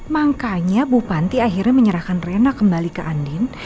makanya ibu panti akhirnya menyerahkan rena kembali ke andin